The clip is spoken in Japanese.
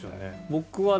僕はね。